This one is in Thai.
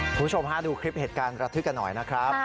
คุณผู้ชมฮะดูคลิปเหตุการณ์ระทึกกันหน่อยนะครับ